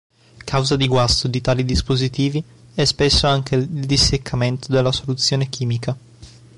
Causa di guasto di tali dispositivi è spesso anche il disseccamento della soluzione chimica.